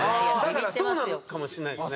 そうなのかもしれないですね。